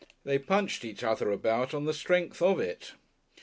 They punched each other about on the strength of it.